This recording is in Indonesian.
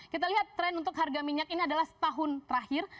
kita lihat tren untuk harga minyak ini adalah setahun terakhir